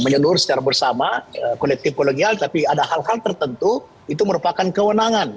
menyeluruh secara bersama kolektif kolegial tapi ada hal hal tertentu itu merupakan kewenangan